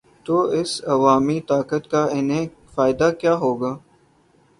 تو اس عوامی طاقت کا انہیں فائدہ کیا ہو گا؟